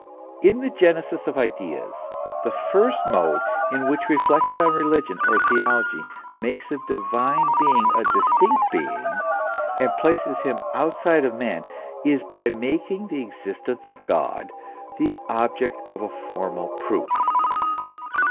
In the genesis of ideas, the first mode in which reflexion on religion, or theology, makes the divine being a distinct being, and places him outside of man, is by making the existence of God the object of a formal proof.